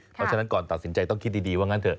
เพราะฉะนั้นก่อนตัดสินใจต้องคิดดีว่างั้นเถ